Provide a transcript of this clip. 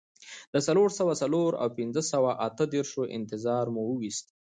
د څلور سوه څلور او پنځه سوه اته دیرشو انتظار مو وېست.